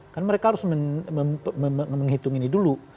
kan mereka harus menghitung ini dulu